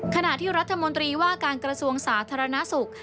ขณะที่รัฐมนตรีว่าการกระทรวงสาธารณสุข